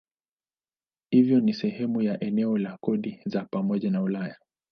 Hivyo si sehemu ya eneo la kodi za pamoja la Ulaya.